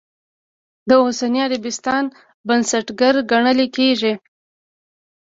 د اوسني عربستان بنسټګر ګڼلی کېږي.